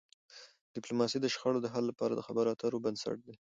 ډيپلوماسي د شخړو د حل لپاره د خبرو اترو بنسټ دی.